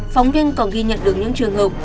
phóng viên còn ghi nhận được những trường hợp